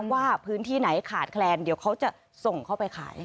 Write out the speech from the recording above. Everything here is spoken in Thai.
ว่าพื้นที่ไหนขาดแคลนเดี๋ยวเขาจะส่งเข้าไปขาย